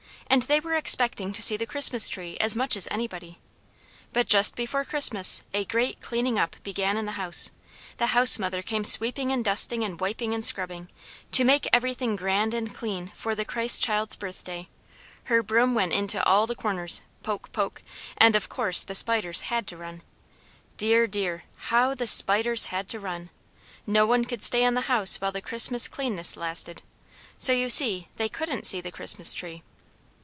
And they were expecting to see the Christmas Tree as much as anybody. But just before Christmas a great cleaning up began in the house. The house mother came sweeping and dusting and wiping and scrubbing, to make everything grand and clean for the Christ child's birthday. Her broom went into all the corners, poke, poke, and of course the spiders had to run. Dear, dear, how the spiders had to run! Not one could stay in the house while the Christmas cleanness lasted. So, you see, they couldn't see the Christmas Tree.